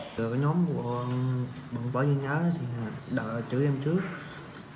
cái nhóm của bọn bỏ nhân áo thì đợi chửi em trước